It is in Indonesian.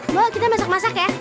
wow kita masak masak ya